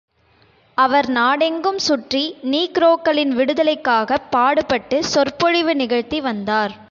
அவர் நாடெங்கும் சுற்றி நீக்ரோக்களின் விடுதலைக்காகப் பாடுபட்டு சொற்பொழிவு நிகழ்த்தி வந்தார்.